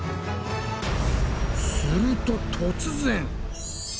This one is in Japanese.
すると突然！